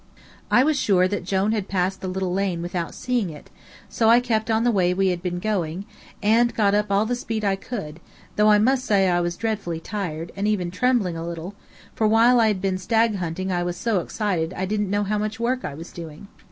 I was sure that Jone had passed the little lane without seeing it, so I kept on the way we had been going, and got up all the speed I could, though I must say I was dreadfully tired, and even trembling a little, for while I had been stag hunting I was so excited I didn't know how much work I was doing.